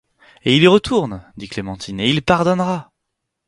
Et il y retourne! dit Clémentine, et il pardonnera !